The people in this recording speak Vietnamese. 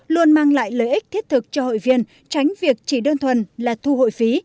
luôn mang lại lợi ích thiết thực cho hội viên tránh việc chỉ đơn thuần là thu hội phí